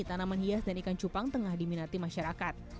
tanaman hias dan ikan cupang tengah diminati masyarakat